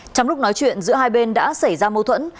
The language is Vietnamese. trong lúc nói chuyện giữa hai bên đã xảy ra mâu thuẫn